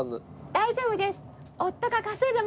大丈夫です。